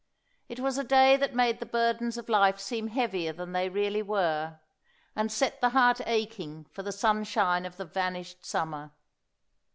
It was a day that made the burdens of life seem heavier than they really were, and set the heart aching for the sunshine of the vanished summer.